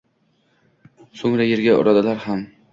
So‘ngra yerga uradilar ham.